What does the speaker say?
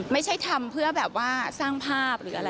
ไม่ใช่ทำเพื่อแบบว่าสร้างภาพอะไรแบบนี้